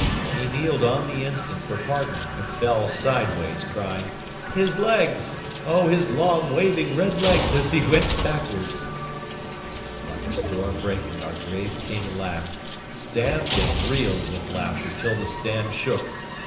He kneeled on the instant for pardon, but fell sideways, crying: "His legs! Oh, his long, waving red legs as he went backward!" 'Like a storm breaking, our grave King laughed, stamped and reeled with laughter till the stand shook.